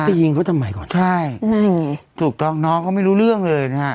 ไปยิงเขาทำไมค่อนข้างใช่ถูกต้องน้องก็ไม่รู้เรื่องเลยนะฮะ